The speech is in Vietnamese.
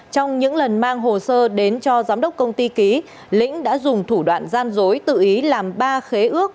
trong những lần mang hồ sơ đến cho giám đốc công ty ký lĩnh đã dùng thủ đoạn gian dối tự ý làm ba khế ước